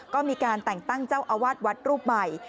ก็มีการแต่งตั้งเจ้าอาวาสวัดรูปใหม่